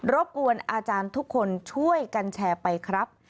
บกวนอาจารย์ทุกคนช่วยกันแชร์ไปครับ